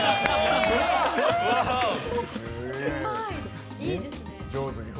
うまい！